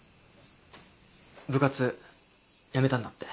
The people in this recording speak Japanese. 部活やめたんだって？